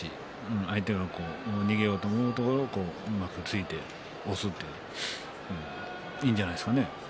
相手が逃げようと思うところ、うまく突いて押すいいんじゃないですかね。